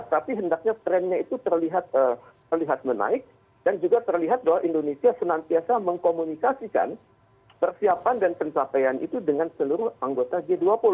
tapi hendaknya trennya itu terlihat menaik dan juga terlihat bahwa indonesia senantiasa mengkomunikasikan persiapan dan pencapaian itu dengan seluruh anggota g dua puluh